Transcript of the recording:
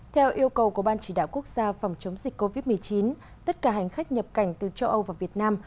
theo yêu cầu của ban chỉ đạo quốc gia phòng chống dịch covid một mươi chín tất cả hành khách nhập cảnh từ châu âu và việt nam